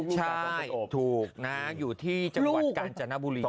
ใช่ถูกนะอยู่ที่จังหวัดกาญจนบุรี